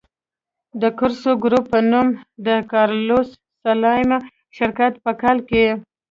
د کورسو ګروپ په نوم د کارلوس سلایم شرکت په کال کې.